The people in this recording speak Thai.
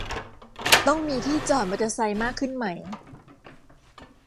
ต้องมีที่จอดมอเตอร์ไซค์มากขึ้นไหม